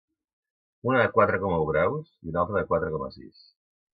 Una de quatre coma u graus i una altra de quatre coma sis.